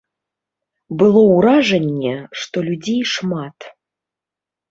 Было ўражанне, што людзей шмат.